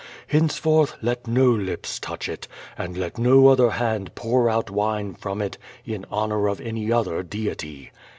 Henceforth, let no lips touch it, and let no other hand pour out wine from it in honor of any other deity."